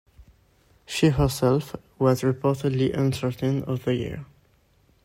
She herself was reportedly uncertain of the year.